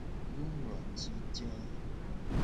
Nungloti je.